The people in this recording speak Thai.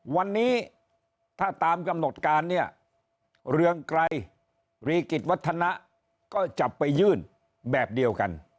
วันนี้ถ้าตามกำหนดการเนี่ย